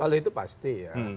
kalau itu pasti ya